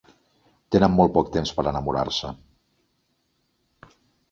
Tenen molt poc temps per enamorar-se.